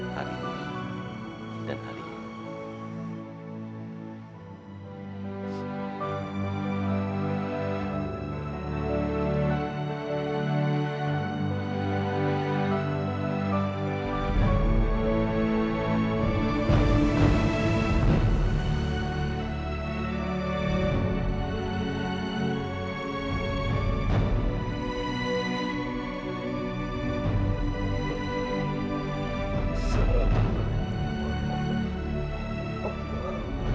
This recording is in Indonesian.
hari ini dan hari ini